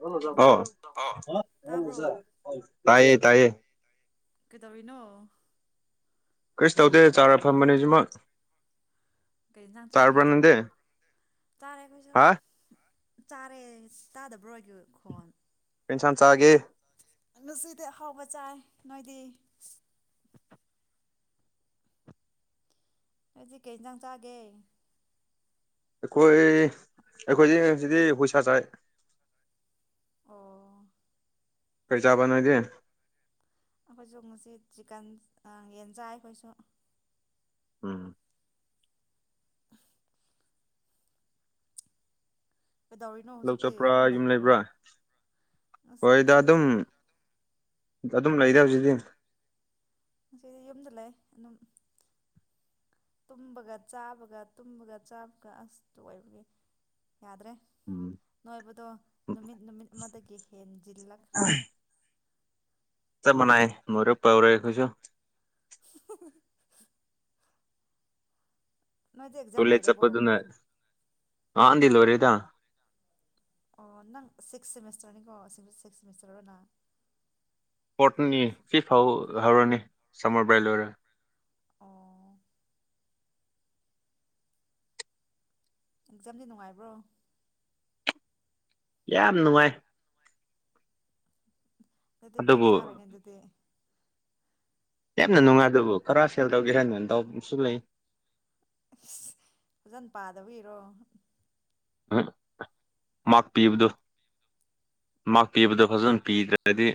ꯍꯂ ꯇꯥꯕ꯭ꯔꯣ ꯆ ꯑꯧ ꯇꯥꯌꯦ ꯇꯥꯌꯦ ꯀꯩꯗꯧꯔꯤꯅꯣ ꯀ꯭ꯔꯤꯁ ꯇꯧꯗꯦ ꯆꯥꯔ ꯐꯝꯕꯅꯤ [unintelligible] ꯃꯛ ꯀꯩ ꯌꯦꯟꯁꯥꯡ ꯆꯥꯔꯒꯦꯗꯣ ꯆꯥꯔꯦ ꯑꯩꯈꯣꯏꯁꯨ ꯍꯥ ꯆꯥꯔꯦ ꯇꯥꯗꯕ꯭ꯔꯣ ꯑꯩꯒꯤ ꯈꯣꯟ ꯀꯩ ꯌꯦꯟꯁꯥꯡ ꯆꯥꯒꯦ ꯑꯉꯁꯤꯗꯤ ꯍꯥꯎꯕ ꯆꯥꯏ ꯅꯣꯏꯗꯤ ꯉꯁꯤ ꯀꯩ ꯌꯦꯟꯁꯥꯡ ꯆꯥꯒꯦ ꯑꯩꯈꯣꯏ ꯑꯩꯈꯣꯏꯗꯤ ꯉꯁꯤꯗꯤ ꯍꯨꯁꯥ ꯆꯥꯏ ꯑꯣ ꯀꯩ ꯆꯥꯕ ꯅꯣꯢꯗꯤ ꯑꯩꯈꯣꯏꯁꯨ ꯉꯁꯤ ꯆꯤꯀꯟ ꯌꯦꯟ ꯆꯥꯢ ꯑꯩꯈꯣꯏꯁꯨ ꯎꯝ ꯀꯩꯗꯧꯔꯤꯅꯣ ꯂꯧ ꯍꯧꯖꯤꯛꯇꯤ ꯆꯠꯄ꯭ꯔꯥ ꯑꯗꯨꯝ ꯌꯨꯝ ꯂꯩꯕꯣ ꯂꯩꯕ꯭ꯔꯥ ꯍꯣꯏꯗ ꯉꯁꯤꯗꯤ ꯑꯗꯨꯝ ꯑꯗꯨꯝ ꯂꯩꯗꯦ ꯍꯧꯖꯤꯛꯇꯗꯤ ꯉꯗꯤ ꯌꯨꯝꯗ ꯂꯩ ꯑꯗꯨꯝ ꯇꯨꯝꯕꯒ ꯆꯥꯕꯒ ꯇꯨꯝꯕꯒ ꯆꯥꯕꯒ ꯑꯁꯇ ꯑꯣꯏꯕꯒꯤ ꯌꯥꯗ꯭ꯔꯦ ꯎꯝ ꯅꯣꯏꯕꯗꯣ ꯅꯨꯃꯤꯠ ꯅꯨꯃꯤꯠ ꯑꯃꯗꯒꯤ ꯍꯦꯟꯖꯤꯜꯂꯛꯈ꯭ꯔꯦ ꯠꯇ ꯃꯅꯥꯥꯏ ꯃꯔ ꯄꯧꯔꯈꯣꯏꯁꯨ ꯅꯣꯏꯗꯤ ꯑꯦꯛꯖꯥꯝ ꯇꯂꯦ ꯂꯣꯏꯔꯕꯣ ꯆꯄꯗꯨꯅ ꯑꯗꯤ ꯂꯔꯤꯗ ꯑꯣ ꯅꯪ ꯁꯤꯛꯁ ꯁꯦꯃꯤꯁꯇꯔꯅꯤꯀꯣ ꯁꯤꯛꯁ ꯁꯦꯃꯤꯁꯇꯔ ꯑꯣꯏꯅ ꯄꯣꯠꯅꯤ ꯁꯤꯐꯥꯎ ꯍꯔꯅꯤ ꯁꯃꯔ ꯕꯦꯂꯔ ꯑꯣ ꯑꯦꯛꯖꯥꯝꯗꯤ ꯅꯨꯡꯉꯥꯏꯕ꯭ꯔꯣ ꯌꯥꯝ ꯅꯨꯡꯉꯥꯏ ꯑꯗꯨꯗꯤ ꯑꯗꯨꯕꯨ ꯕꯆꯥꯔꯩꯅ ꯑꯗꯨꯗꯤ ꯌꯥꯝꯅ ꯅꯨꯡꯉꯥꯏ ꯑꯗꯨꯕꯨ ꯈꯔ ꯁꯦꯜ ꯇꯧꯒꯦ ꯍꯥꯏꯅꯇꯥꯎꯁꯨ ꯂꯩ ꯐꯖꯅ ꯄꯥꯗꯕ ꯏꯔꯣ ꯃꯥꯛ ꯄꯤꯕꯗꯣ ꯃꯥꯛ ꯄꯤꯕꯗꯣ ꯐꯖꯅ ꯄꯤꯗ꯭ꯔꯗꯤ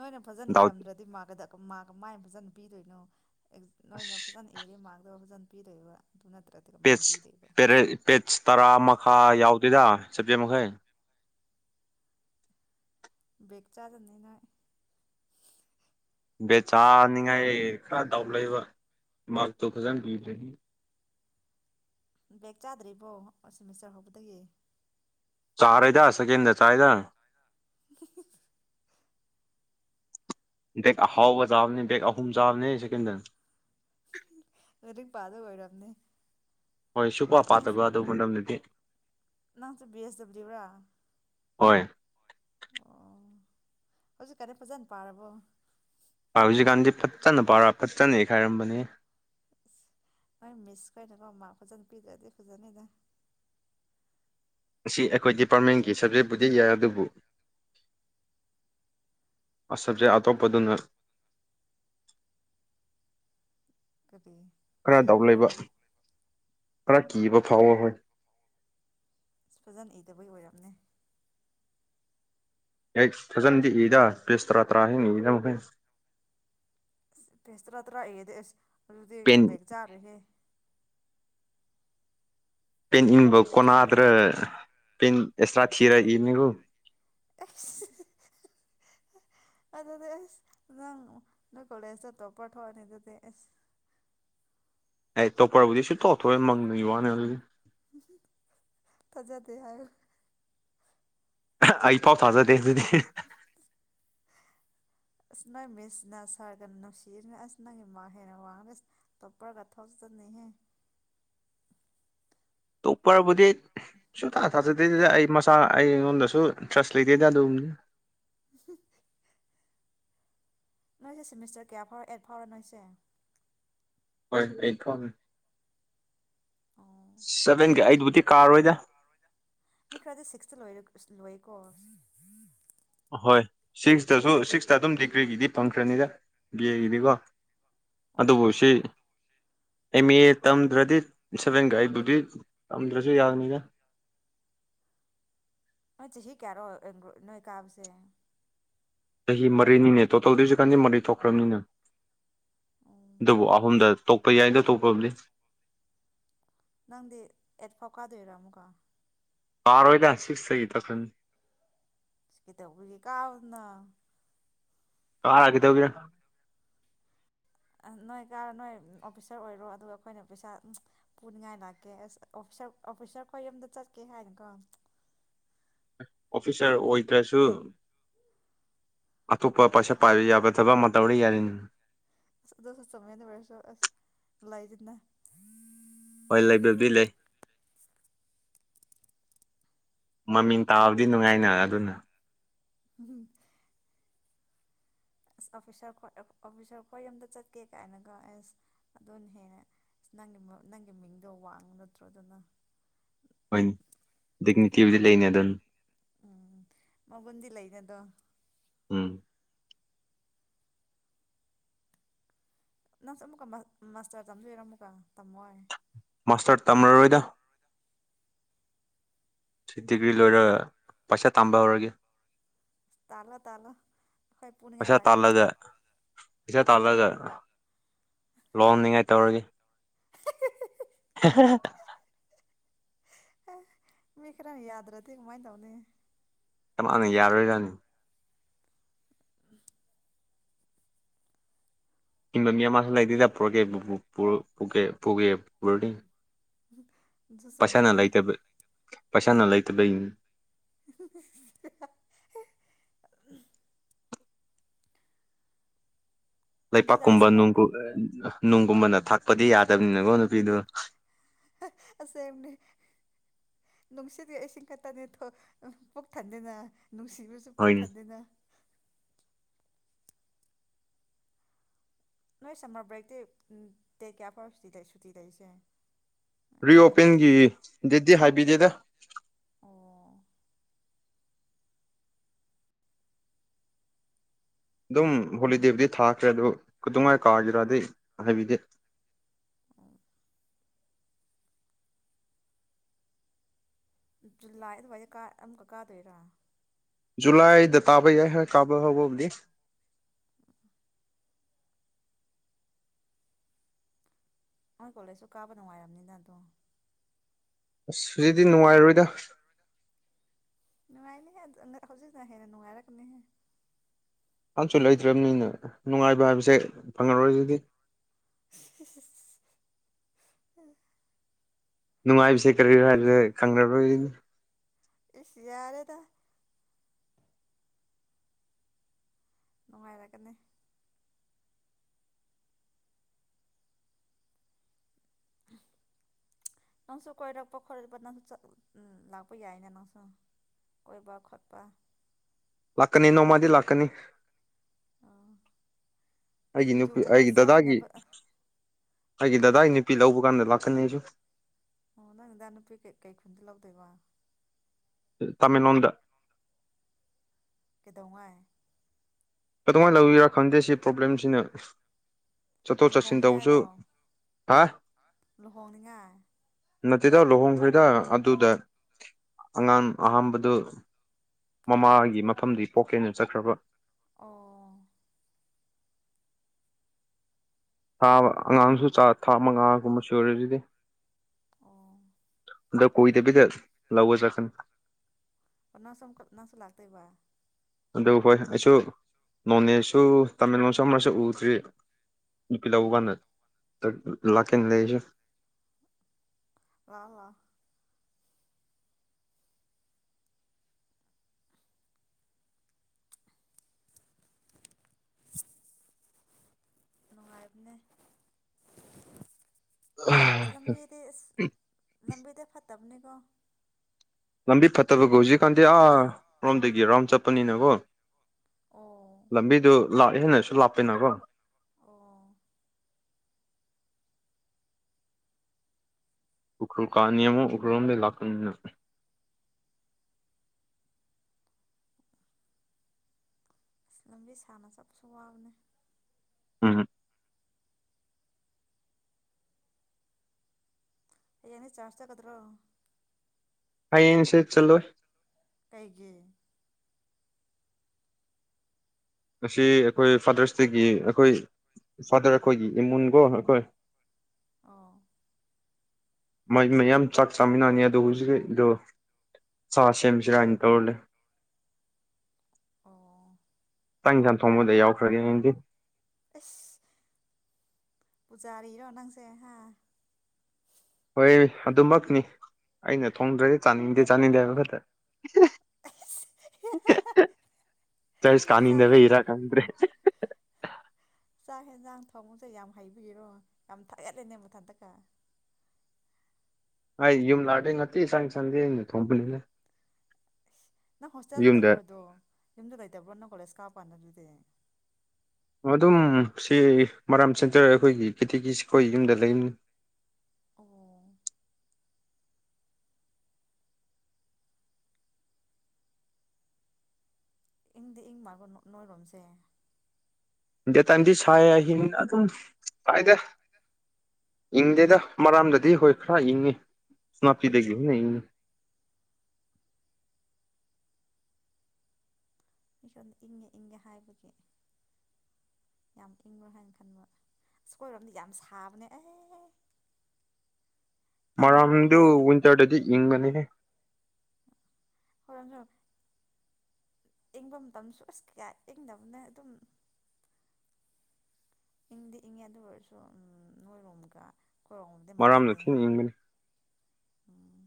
ꯅꯣꯏꯅ ꯐꯖꯅ ꯗꯥꯎꯠ ꯏꯔꯝꯗ꯭ꯔꯗꯤ ꯃꯥꯒꯗ ꯃꯥꯒ ꯃꯥꯏ ꯐꯖꯅ ꯄꯤꯗꯣꯏꯅꯣ ꯅꯣꯏꯅ ꯐꯖꯅ ꯑꯦꯔꯦ ꯃꯥꯡꯗꯕ ꯐꯖꯅ ꯄꯗꯏꯕ ꯄꯦ ꯄꯦꯖ ꯇꯔꯥ ꯃꯈꯥ ꯌꯥꯎꯗꯣꯏꯗ ꯁꯕꯖ ꯃꯈ ꯃꯈꯩ ꯕꯒ ꯆꯥꯖꯅꯤꯅ ꯕꯦ ꯆꯥꯅꯤꯡꯉꯥꯏ ꯈꯔ ꯗꯥꯎꯠ ꯂꯩꯕ ꯃꯥꯔꯇꯨ ꯈꯖꯪ ꯄꯤꯔꯅꯤ ꯕꯦꯦꯛ ꯆꯥꯗ꯭ꯔꯤꯕꯣ ꯁꯤꯦꯃꯤꯁꯇꯔ ꯍꯧꯕꯗꯒꯤ ꯆꯥꯔꯗ ꯁꯦꯀꯦꯟꯗ ꯆꯥꯗ [unintelligible] ꯕꯦꯛ ꯑꯍꯥꯎꯕ ꯆꯥꯕꯅꯦ ꯕꯦꯛ ꯑꯍꯨꯝ ꯆꯥꯕꯅꯦ ꯁꯦꯀꯦꯟꯗ ꯑꯗꯨ ꯄꯥꯗ ꯑꯣꯏꯔꯝꯅꯤ ꯍꯣꯏ ꯁꯨꯄ ꯄꯥꯠꯇꯒꯣ ꯑꯗꯨ ꯄꯝꯗꯨꯗꯤ ꯅꯪ ꯤ ꯑꯦꯁꯕ꯭ꯂꯤꯨꯔ ꯍꯣꯏ ꯑꯣꯁꯨ ꯀꯅꯦ ꯄꯖꯅ ꯄꯥꯔꯔꯕꯣ ꯍꯧꯖꯤꯛꯀꯥꯟꯗꯤ ꯐꯠꯇꯅ ꯄꯥꯎꯔꯥ ꯐꯠꯇꯅ ꯏꯈꯥꯏꯔꯝꯕꯅꯤ ꯅꯣꯏ ꯃꯤꯁ ꯀꯩꯅꯀꯣ ꯃꯥ ꯐꯖꯅ ꯄꯤꯗ꯭ꯔꯗꯤ ꯐꯖꯅꯤꯗ ꯑꯁꯤ ꯑꯩꯈꯣꯏ ꯗꯤꯄꯥꯔꯠꯃꯦꯟꯒꯤ ꯁꯕꯖꯦꯛꯕꯨꯗꯤ ꯌꯥꯏ ꯑꯗꯨꯕꯨ ꯁꯕꯖꯦꯛ ꯑꯇꯣꯞꯄꯗꯨꯅ ꯀꯔꯤ ꯈꯔ ꯗꯥꯎ ꯀꯤꯕ꯭ꯔꯣ ꯂꯩꯕ ꯈꯔ ꯀꯤꯕ ꯐꯥꯎꯕꯍꯣꯢ ꯑꯁ ꯐꯖꯅ ꯏꯗꯕꯩ ꯑꯣꯏꯔꯝꯅꯤ ꯑꯩꯁ ꯐꯖꯅꯗꯤ ꯏꯗ ꯄꯤꯁ ꯇꯔꯥ ꯇꯔꯥ ꯍꯦꯟꯅ ꯏꯅ [unintelligible] ꯄꯦꯁ ꯇꯔꯥ ꯇꯔꯥ ꯢꯔꯗꯤ ꯑꯦꯁ ꯑꯗꯨꯗꯤ ꯄꯦꯟ ꯕꯦꯛ ꯆꯥꯔꯦꯍꯦ ꯄꯦꯟ ꯏꯪꯕꯥꯎ ꯄꯦꯁ ꯇꯔꯥ ꯀꯣꯟꯅꯗ꯭ꯔꯦ ꯄꯦꯟ ꯑꯦꯛꯁꯇꯥꯔ ꯊꯤꯔ ꯢꯕꯅꯤꯀꯣ ꯑꯁ ꯑꯗꯨꯗꯤ ꯑꯁ ꯅꯪ ꯅꯣꯢ ꯀꯣꯂꯦꯖꯇ ꯇꯣꯞꯄꯔ ꯊꯣꯛꯑꯅꯤ ꯑꯗꯨꯗꯤ ꯑꯁ ꯑꯩ ꯇꯣꯞꯄ꯭ꯔꯕꯨꯗꯤ ꯁꯨꯡꯊꯣꯛ ꯊꯣꯛꯑꯣꯢ ꯃꯪꯒꯤ ꯋꯥꯅꯤ ꯑꯗꯨꯗꯤ ꯊꯥꯖꯗꯦ ꯍꯥꯏꯌꯨ ꯑꯩ ꯐꯥꯎ ꯊꯥꯖꯗꯦ ꯑꯗꯨꯗꯤ ꯑꯁ ꯅꯪ ꯃꯤꯁꯅ ꯁꯥꯔꯒ ꯅꯨꯡꯁꯤꯔꯅ ꯑꯁ ꯅꯪꯒꯤ ꯃꯥꯥꯛ ꯍꯦꯟꯅ ꯋꯥꯡꯉꯒ ꯇꯣꯞꯄꯒ ꯊꯣꯛꯆꯅꯤꯍꯦ ꯇꯣꯞꯄꯔꯕꯨꯗꯤ ꯁꯨꯡꯊꯥ ꯊꯥꯖꯗꯦꯗ ꯑꯩ ꯃꯆꯥꯥ ꯑꯩꯉꯣꯟꯗꯁꯨ ꯏꯟꯇ꯭ꯔꯁ ꯂꯩꯇꯦꯗ ꯑꯗꯨꯝꯅꯤ [unintelligible] ꯅꯣꯏꯁꯦ ꯁꯦꯃꯤꯁꯇꯔ ꯀꯌꯥ ꯐꯥꯎꯔ ꯑꯦꯠ ꯐꯥꯎꯔ ꯅꯣꯏꯁꯦ ꯑꯦꯠ ꯐꯥꯎꯅꯤ ꯑꯣ ꯁꯕꯦꯟꯒ ꯑꯦꯠꯕꯨꯗꯤ ꯀꯥꯔꯣꯏꯗ ꯃꯤ ꯈꯥꯔꯗꯤ ꯁꯤꯛꯁꯇ ꯂꯣꯏꯔꯦ ꯂꯣꯏꯀꯣ ꯍꯣꯏ ꯁꯤꯛꯁꯇꯁꯨ ꯁꯤꯛꯁꯇ ꯑꯗꯨꯝ ꯗꯤꯒ꯭ꯔꯤꯒꯤꯗꯤ ꯐꯪꯈ꯭ꯔꯅꯤꯗ ꯕꯤ ꯑꯦꯒꯤꯗꯤꯀꯣ ꯑꯣ ꯑꯗꯨꯕꯨ ꯁꯤ ꯑꯦꯝ ꯑꯦ ꯇꯝꯗ꯭ꯔꯗꯤ ꯁꯚꯦꯟꯒ ꯑꯦꯠꯕꯨꯗꯤ ꯇꯝꯗ꯭ꯔꯁꯨ ꯌꯥꯒꯅꯤꯗ ꯅꯣꯢ ꯆꯍꯤ ꯀꯥꯌꯔꯣ [unintelligible] ꯅꯣꯢꯀꯥꯕꯁꯦ ꯆꯍꯤ ꯃꯔꯤꯅꯤꯅꯦ ꯇꯣꯇꯦꯜꯗꯩꯁꯨ ꯃꯔꯤ ꯇꯣꯛꯈ꯭ꯔꯕꯅꯤꯅ ꯑꯗꯨꯕꯨ ꯑꯍꯨꯝꯗ ꯇꯣꯛꯄ ꯌꯥꯏꯗ ꯇꯣꯛꯄꯕꯨꯗꯤ ꯅꯪꯗꯤ ꯑꯦꯠꯐꯥꯎ ꯀꯥꯗꯣꯏꯔꯥ ꯑꯃꯨꯛꯀ ꯀꯥꯔꯣꯢꯗ ꯁꯤꯛꯁ ꯇꯩ ꯇꯣꯛꯈ꯭ꯔꯅꯤ ꯢꯁ ꯀꯩꯗꯧꯕꯒꯤ ꯀꯥꯎ ꯅ ꯀꯥꯔ ꯀꯩꯗꯧꯒꯦꯔꯥ ꯑ ꯅꯣꯏ ꯀꯥꯔꯣ ꯅꯣꯏ ꯑꯣꯐꯤꯁꯥꯔ ꯑꯣꯏꯔꯣ ꯑꯗꯨꯒ ꯑꯩꯈꯣꯏꯅ ꯄꯩꯁꯥ ꯄꯨꯅꯤꯡꯉꯥꯏ ꯂꯥꯛꯀꯦ ꯑꯁ ꯑꯣꯐꯤꯁꯥꯔ ꯑꯩꯈꯣꯏ ꯌꯨꯝꯗ ꯆꯠꯀꯦ ꯍꯥꯏꯅꯀꯣ ꯑꯣꯐꯤꯁꯥꯔ ꯑꯣꯏꯗ꯭ꯔꯁꯨ ꯑꯇꯣꯞꯄ ꯄꯩꯁꯥ ꯄꯥꯏꯕ ꯌꯥꯕ ꯊꯕꯛ ꯑꯃ ꯇꯧꯔ ꯌꯥꯔꯦꯅꯦ ꯑꯁ ꯑꯗꯨꯁꯨ ꯆꯨꯝꯃꯤꯅꯦ ꯑꯣꯢꯔꯁꯨ ꯑꯁ ꯂꯩꯗꯅ ꯍꯣꯏ ꯂꯩꯕꯨꯗꯤ ꯂꯩ ꯃꯃꯤꯡ ꯇꯥꯕꯗꯤ ꯅꯨꯡꯉꯥꯏꯅ ꯑꯗꯨꯅ ꯎꯝ ꯑꯁ ꯑꯣꯐꯤꯁꯥꯔꯈꯣꯢ ꯑꯣꯐꯤꯁꯥꯔꯈꯣꯢ ꯌꯨꯝꯗ ꯆꯠꯀꯦ ꯀꯥꯏꯅꯒ ꯑꯦꯁ ꯑꯗꯨꯅ ꯍꯦꯟꯅ ꯅꯪꯒꯤ ꯅꯪꯒꯤ ꯃꯤꯡꯗꯣ ꯋꯥꯡ ꯅꯠꯇ꯭ꯔꯣ ꯑꯗꯨꯅ ꯍꯣꯢꯅꯦ ꯗꯤꯛꯅꯤꯇꯤꯕꯨꯗꯤ ꯂꯩꯅꯦ ꯑꯗꯨꯅ ꯎꯝ ꯃꯒꯨꯟꯗꯤ ꯂꯩ ꯑꯗꯣ ꯎꯝ ꯅꯪꯁꯨ ꯑꯃꯨꯛꯀ ꯃꯥꯁꯇꯔ ꯇꯝꯗꯣꯢꯔ ꯑꯃꯨꯛꯀ ꯇꯝꯃꯣꯢ ꯃꯥꯁꯇꯔ ꯇꯝꯔꯔꯣꯏꯗ ꯁꯤ ꯗꯤꯒ꯭ꯔꯤ ꯂꯣꯏꯔꯒ ꯄꯩꯁꯥ ꯇꯥꯟꯕ ꯍꯧꯔꯒꯦ ꯇꯥꯂꯣ ꯇꯥꯂꯣ ꯑꯈꯣꯢ ꯄꯨꯅꯤꯉꯥꯢ ꯄꯩꯁꯥ ꯂꯥꯛꯀꯦ ꯇꯥꯜꯂꯒ ꯄꯩꯁꯥ ꯇꯥꯜꯂꯒ ꯂꯨꯍꯣꯡꯅꯤꯉꯥꯏ ꯇꯧꯔꯅꯤ ꯍꯥ ꯍꯥ ꯑꯦ ꯃꯤ ꯈꯥꯔꯅ ꯌꯥꯗ꯭ꯔꯗꯤ ꯀꯃꯥꯏ ꯇꯧꯅꯤ ꯢꯃꯥꯅ ꯌꯥꯔꯣꯏꯔꯥꯅꯤ ꯍꯤꯟꯕ ꯃꯤ ꯑꯃꯁꯨ ꯂꯩꯇꯦꯗ [unintelligible] [unintelligible] ꯎꯝ ꯁꯨꯁꯣꯃꯅꯦ ꯄꯁꯅ ꯂꯩꯇꯕꯩ [inaudible] ꯍꯧꯖꯤꯛꯀꯥꯟ ꯂꯩꯄꯥꯛꯀꯨꯝꯕ ꯁꯝꯃꯔ ꯅꯨꯡꯒꯨ ꯄꯨꯝꯕꯅ ꯊꯛꯄꯗꯤ ꯌꯥꯗꯕꯅꯤꯅꯀꯣ ꯅꯨꯄꯤꯗꯨ ꯑꯁꯅꯦ ꯅꯨꯡꯁꯤꯠꯒꯤ ꯏꯁꯤꯡ ꯈꯛꯇꯅꯦ ꯄꯨꯛ ꯊꯟꯗꯦꯅ ꯅꯨꯡꯁꯤꯕꯁꯨ ꯍꯣꯏꯅꯦ ꯄꯛꯊꯗꯅ ꯅꯣꯏ ꯁꯝꯃꯔ ꯕ꯭ꯔꯦꯛꯇꯤ ꯗꯦꯛ ꯀꯌꯥ ꯐꯥꯎꯕ ꯁꯨꯇꯤ ꯇꯁꯦ ꯔꯤꯑꯣꯄꯦꯟꯒꯤ ꯗꯦꯗꯤ ꯍꯥꯏꯕꯤꯗꯦꯗ ꯑꯣ ꯑꯗꯨꯝ ꯍꯣꯂꯤꯗꯦꯕꯨꯗꯤ ꯊꯥꯈ꯭ꯔꯦ ꯑꯗꯨ ꯀꯗꯉꯥꯏ ꯀꯥꯒꯤꯔꯥꯗꯤ ꯍꯥꯏꯕꯤꯗꯦ ꯑꯣ ꯂꯥꯛ ꯑꯗꯨꯋꯥꯏꯗ ꯑꯃꯨꯛꯀꯛ ꯀꯥꯗꯣꯏꯔꯥ ꯖꯨꯂꯥꯏꯗ ꯇꯥꯕ ꯌꯥꯏ ꯀꯥꯕ ꯍꯧꯕꯕꯨꯗꯤ ꯅꯣꯏ ꯀꯣꯂꯦꯖꯁꯨ ꯀꯥꯕ ꯅꯨꯡꯉꯥꯏꯔꯕꯅꯤꯅ ꯑꯗꯣ ꯑꯁ ꯍꯧꯨꯖꯤꯗꯤ ꯅꯨꯡꯉꯥꯏꯔꯣꯏꯗ ꯅꯅꯨꯡꯉꯥꯏꯅꯤ ꯍꯥꯏꯖꯤ ꯍꯦꯔ ꯅꯅꯨꯡꯉꯥꯏꯔꯛꯅꯤ ꯍꯥꯏ ꯂꯩꯇ꯭ꯔꯕꯅꯤꯅ ꯅꯨꯡꯉꯥꯏꯕ ꯍꯥꯏꯕꯁꯦ ꯐꯪꯉꯔꯣꯏ ꯑꯗꯨꯗꯤ [inaudible] ꯅꯨꯡꯉꯥꯏꯕꯁꯦ ꯀꯔꯤꯣ ꯍꯥꯏ ꯈꯪꯅꯔꯣꯏꯅꯣ ꯑꯦꯔꯦꯗ ꯅꯨꯡꯉꯥꯏꯔꯀꯅꯤ ꯅꯪꯁꯨ ꯀꯣꯏꯔꯛꯄ ꯈꯣꯠꯂꯛꯄ ꯅꯪꯁꯨ ꯂꯥꯛꯄ ꯌꯥꯏꯅ ꯅꯪꯁꯨ ꯀꯣꯏꯕ ꯈꯣꯠꯄ ꯂꯥꯛꯀꯅꯤ ꯅꯣꯡꯃꯗꯤ ꯂꯥꯛꯀꯅꯤ ꯑꯣ ꯑꯩꯒꯤ ꯅꯨꯄꯤ ꯁꯤꯡꯖꯨꯒꯨꯝꯕ ꯑꯩꯒꯤ ꯗꯗꯥꯗꯥꯒꯤ ꯆꯥꯃꯤꯟꯅꯕ ꯑ, ꯑꯩꯒꯤ ꯀꯔꯤ ꯗꯗꯥꯗꯥꯒꯤ ꯅꯨꯄꯤ ꯂꯧꯕ ꯀꯥꯟꯗ ꯂꯥꯛꯀꯅꯤ ꯑꯩꯁꯨ ꯑꯣ ꯅꯪꯗꯥ ꯅꯨꯄꯤ ꯀꯩ ꯀꯩ ꯈꯨꯟꯗꯤ ꯂꯧꯗꯣꯏꯕ ꯇꯃꯦꯡꯂꯣꯗ ꯇꯉꯥꯏ ꯀꯃꯍꯥꯏꯅ ꯂꯧꯋꯔꯥ ꯈꯪꯗꯦ ꯁꯤ ꯄ꯭ꯔꯣꯕ꯭ꯂꯦꯝꯁꯤꯅ ꯆꯠꯊꯣꯛ ꯆꯠꯁꯤꯟ ꯇꯧꯕꯁꯨ ꯍꯥ ꯂꯍꯣꯡꯉꯥꯏ ꯅꯠꯇꯦꯗꯥꯎ ꯂꯨꯍꯣꯡꯈ꯭ꯔꯦꯗ ꯑꯗꯨꯗ ꯑꯉꯥꯡ ꯑꯍꯝꯕꯗꯨ ꯃꯃꯥꯒꯤ ꯃꯐꯝꯗꯤ ꯄꯣꯛꯀꯦꯅ ꯆꯠꯈ꯭ꯔꯕ ꯑꯣ ꯊꯥ ꯑꯉꯥꯡꯁꯨ ꯊꯥ ꯃꯉꯥꯒꯨꯝꯕ ꯁꯣꯏꯔ ꯑꯗꯨꯗꯤ ꯑꯣ ꯈ ꯀꯣꯏꯗꯕꯤꯗ ꯂꯎꯁꯪ ꯁꯅꯁꯨ ꯂꯥꯛꯇꯕ ꯑꯗꯨ ꯍꯣꯏ ꯑꯩꯁꯨ ꯅꯣꯅꯦꯁꯨ ꯇꯥꯃꯤꯜꯂꯣꯁꯨ ꯑꯃꯔꯁꯨ ꯎꯗ꯭ꯔꯤ ꯅꯨꯄꯤ ꯂꯎ ꯑꯣ ꯋꯥꯥꯟ ꯂꯥꯛꯀꯤ ꯏ ꯂꯩꯁ [unintelligible] ꯅꯨꯡꯉꯥꯏꯕꯅꯦ ꯂ ꯂꯝꯕꯤꯗꯤ ꯂꯝꯕꯤꯗ ꯐꯠꯇꯕꯅꯤ [unintelligible] ꯂꯝꯕꯤ ꯐꯠꯇꯕꯒ ꯍꯧꯖꯤꯛꯀꯥꯟꯗꯤ ꯑꯥ ꯔꯣꯝꯗꯒꯤ ꯔꯔꯥꯎꯟ ꯆꯠꯄꯅꯤꯅꯀꯣ ꯑꯣ ꯂꯝꯕꯤꯗꯨ ꯂꯥꯛꯑꯦ ꯍꯦꯟꯅꯁꯨ ꯂꯥꯛꯄꯦꯅꯀꯣ ꯑꯣ ꯎꯈ꯭ꯔꯨꯜ ꯀꯥꯅꯤꯃ ꯎꯈ꯭ꯔꯨꯜꯝꯗ ꯂꯥꯛꯀꯅ ꯑꯁ ꯂꯝꯕꯤ ꯁꯥꯅ ꯆꯞꯁꯨ ꯋꯥꯕꯅꯦ ꯍꯝ ꯑꯩꯅꯤ ꯆꯥꯔꯖ ꯆꯒꯗ꯭ꯔꯣ ꯍꯥꯏꯌꯦꯁꯦ ꯆꯂꯣ ꯀꯩꯒꯤ ꯉꯁꯤ ꯑꯩꯈꯣꯏ ꯐꯥꯗꯔꯁ ꯗꯦꯒꯤ ꯑꯩꯈꯣꯏ ꯐꯥꯗꯔ ꯑꯩꯈꯣꯏꯒꯤ ꯏꯃꯨꯟꯀꯣ ꯑꯩꯈꯣꯏ ꯑ ꯃꯩ ꯃꯌꯥꯝ ꯆꯥꯛ ꯆꯥꯃꯤꯟꯅꯅꯤ ꯑꯣ ꯍꯧꯖꯤꯛꯗꯣ ꯁꯥ ꯁꯦꯝꯁꯤꯔꯅ ꯇꯧꯔꯂꯦ ꯑꯣ ꯇꯥꯡ ꯏꯟꯁꯥꯡ ꯊꯣꯡꯕꯗ ꯌꯥꯎꯈ꯭ꯔꯒꯦ ꯅꯪꯗꯤ ꯑꯦꯁ ꯄꯨꯖꯥꯔꯤꯔꯣ ꯅꯪꯁꯦ ꯍꯥ ꯍꯣꯏ ꯑꯗꯨꯃꯛꯅꯤ ꯑꯩꯅ ꯊꯣꯡꯗ꯭ꯔꯗꯤ ꯆꯥꯅꯤꯡꯗꯦ ꯆꯥꯅꯤꯡꯗꯦ ꯍꯥꯏꯕ ꯈꯛꯇ ꯑꯁ ꯆꯁ ꯆꯥꯛ ꯀꯅꯤꯗꯕꯦ ꯍꯦ ꯏꯔ ꯀꯗ꯭ꯔꯦ ꯆꯥꯛ ꯌꯦꯦꯟꯖꯥꯡ ꯊꯣꯡꯃꯨꯁꯦ ꯌꯥꯝ ꯍꯩꯕꯤꯔꯣ ꯌꯥꯝ ꯊꯥꯒꯠꯂꯦꯅꯦ ꯃꯊꯟꯇꯀ ꯑꯩ ꯌꯨꯝ ꯂꯥꯗ ꯉꯥꯛꯇꯦ ꯁꯪ ꯁꯟꯗꯦ ꯑꯩꯅ ꯊꯣꯡꯕꯅꯤꯅꯦ ꯅꯪ ꯍꯣꯁꯇꯦꯜꯗ ꯂꯩꯔꯣꯗꯣ ꯌꯨꯝꯗ ꯂꯩꯇꯕ꯭ꯔꯣ ꯅꯪ ꯀꯣꯂꯦꯖ ꯀꯥꯞꯄ ꯄꯟꯖꯗꯦ ꯑꯗꯨꯝ ꯁꯤ ꯃꯔꯥꯝ ꯆꯦꯟꯆꯔ ꯑꯩꯈꯣꯏꯒꯤ ꯀꯦꯇꯤꯒꯤ ꯑꯩꯈꯣꯏ ꯌꯨꯝꯗ ꯂꯩꯅꯤꯅꯤ ꯑꯣ ꯏꯨꯡꯗꯤ ꯃꯥꯒꯣꯟꯅꯣꯏꯔꯣꯝꯁꯦ ꯏꯟ ꯗꯦ ꯇꯥꯟꯗꯤ ꯁꯥꯏꯍꯤꯡ ꯑꯗꯨꯝ ꯀꯥꯏꯗ ꯏꯪꯗꯦꯗ ꯃꯔꯥꯝꯗꯗꯤ ꯍꯣꯏ ꯈꯔ ꯏꯪꯉꯤ ꯅꯥꯄꯤꯗꯒꯤ ꯍꯅ ꯏꯪꯉꯤ ꯃꯤꯁꯣꯟꯝꯗ ꯏꯪꯉꯦ ꯏꯪꯉꯦ ꯍꯥꯏꯕꯒꯤ ꯌꯥꯝ ꯏꯪꯉꯣ ꯍꯥꯏꯅ ꯈꯟꯕ ꯑꯀꯣꯏꯔꯣꯝꯗꯤ ꯌꯥꯝ ꯁꯥꯕꯅꯦ ꯑꯦ ꯏꯪꯕ ꯃꯐꯝ ꯃꯔꯝꯗꯨ ꯂꯩꯕ ꯋꯤꯟꯇꯔꯗꯗꯤ ꯏꯪꯒꯅꯤ ꯍꯔꯝꯅ ꯏꯪꯕ ꯃꯇꯝꯁꯨ ꯑꯁ ꯀꯌꯥ ꯏꯪꯗꯕꯅ ꯑꯗꯨꯝ ꯏꯪꯗꯤ ꯏꯪꯉꯦ ꯑꯗꯨ ꯑꯣꯏꯔꯁꯨ ꯎꯝ ꯅꯣꯏꯂꯣꯝꯒ ꯃꯔꯥꯝꯅ ꯊꯤꯅꯤꯡꯅꯤꯡꯕꯅꯤ ꯎꯝ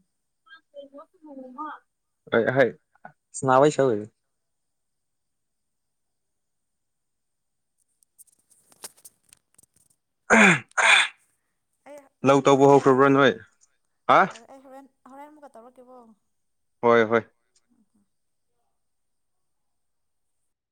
ꯍꯣꯏ ꯁꯅꯥꯕ ꯁ [unintelligible] ꯑꯩ ꯂꯧꯧ ꯇꯧꯕ ꯍꯣꯔꯦꯟ ꯑꯃꯨꯛꯀ ꯍꯧꯈ꯭ꯔꯕ꯭ꯔꯥ ꯇꯧꯔꯛꯀꯦꯀꯣ ꯅꯣꯏ ꯑ ꯑꯩ ꯍꯣꯔꯦꯟ ꯍꯣꯔꯦꯟ ꯑꯃꯨꯛꯒ ꯇꯧꯔꯛꯒꯦꯕꯣ ꯍꯣꯏ ꯍꯣꯏ